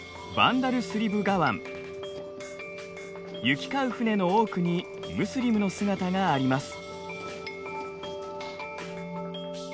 行き交う船の多くにムスリムの姿があります。